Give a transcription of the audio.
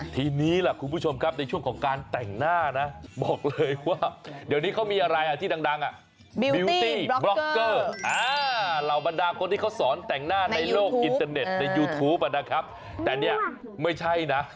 ทีนี้ล่ะคุณผู้ชมครับในช่วงของการแต่งหน้านะบอกเลยว่าเดี๋ยวนี้เขามีอะไรที่ดังอ่ะ